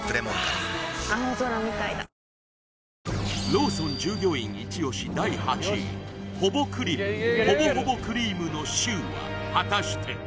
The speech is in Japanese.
ローソン従業員イチ押し第８位ホボクリムほぼほぼクリームのシューは果たして？